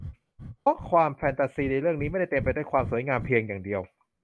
เพราะความแฟนตาซีในเรื่องนี้ไม่ได้เต็มไปด้วยความสวยงามเพียงอย่างเดียว